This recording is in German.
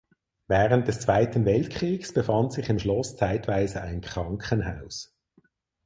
Während des Zweiten Weltkriegs befand sich im Schloss zeitweise ein Krankenhaus.